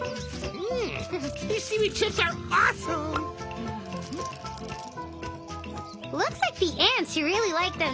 うん。